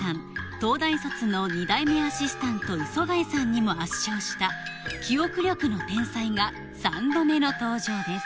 東大卒の２代目アシスタント磯貝さんにも圧勝した記憶力の天才が３度目の登場です